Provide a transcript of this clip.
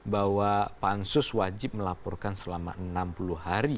bahwa pansus wajib melaporkan selama enam puluh hari